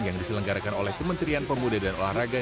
yang diselenggarakan oleh kementerian pemuda dan olahraga